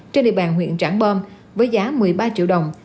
trên địa bàn huyện trảng bom với giá một mươi ba triệu đồng